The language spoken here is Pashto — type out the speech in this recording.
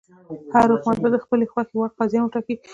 هر حکومت به د خپلې خوښې وړ قاضیان وټاکي.